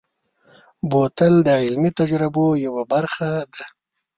بوتل د علمي تجربو یوه برخه ده.